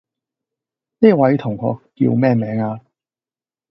呢位同學叫咩名呀?